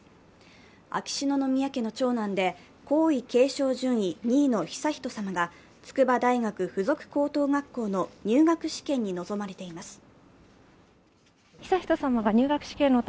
秋篠宮家の長男で皇位継承順位２位の悠仁さまが筑波大学附属高等学校の入学試験に臨まれています。